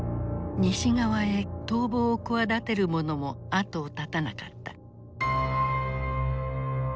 西側へ逃亡を企てる者も後を絶たなかった。